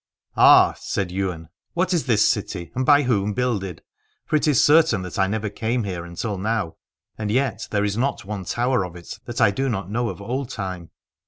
Ah, said Ywain, what is this city and by whom builded ? For it is certain that I came never here until now, and yet there is not one tower of it that I know not of old time.